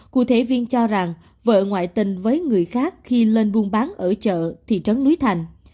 cụ thể viên cho rằng vợ ngoại tình với người khác khi lên buôn bán ở chợ thị trấn núi thành